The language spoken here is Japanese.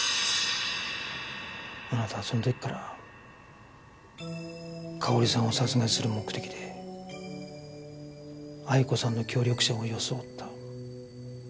あなたはその時から佳保里さんを殺害する目的で鮎子さんの協力者を装った。